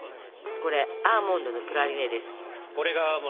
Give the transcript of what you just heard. これがアーモンドのプラリネです。